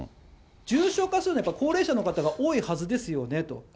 重症化するのは、やっぱり高齢者の方が多いはずですよねと。